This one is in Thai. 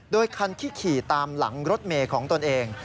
โดยคันที่ขี่ตามหลังรถเมย์ของตนเอง